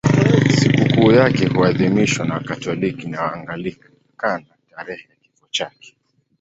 Sikukuu yake huadhimishwa na Wakatoliki na Waanglikana tarehe ya kifo chake.